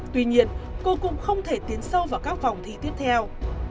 tuy nhiên cô cũng không thể tiến sâu vào các vòng thi tiếp theo